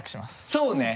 そうね